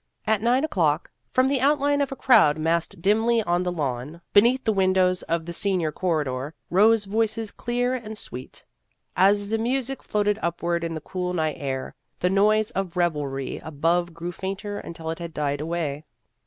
At nine o'clock, from the outline of a crowd massed dimly on the lawn beneath 22 Vassar Studies the windows of the senior corridor, rose voices clear and sweet. As the music floated upward in the cool night air, the noise of revelry above grew fainter until it had died away.